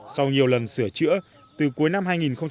sau nhiều lần sửa chữa từ cuối năm hai nghìn một mươi